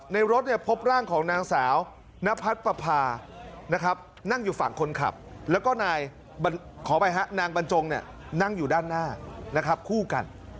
รถพบร่างของนางสาวนพัดปภานะครับนั่งอยู่ฝั่งคนขับแล้วก็นายขออภัยฮะนางบรรจงนั่งอยู่ด้านหน้านะครับคู่กัน